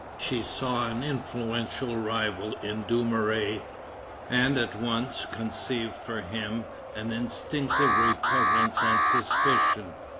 She saw an influential rival in Dumouriez, and at once conceived for him an instinctive repugnance and suspicion.